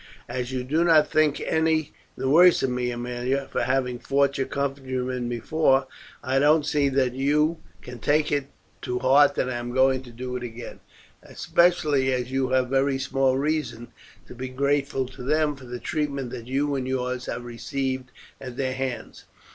As you do not think any the worse of me, Aemilia, for having fought your countrymen before, I don't see that you can take it to heart that I am going to do it again, especially as you have very small reason to be grateful to them for the treatment that you and yours have received at their hands.